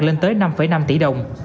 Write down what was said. lên tới năm năm tỷ đồng